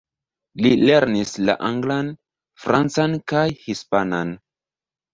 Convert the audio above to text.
Li lernis la anglan, francan kaj hispanan.